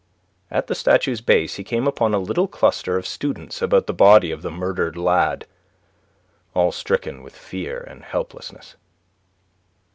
At the statue's base he came upon a little cluster of students about the body of the murdered lad, all stricken with fear and helplessness.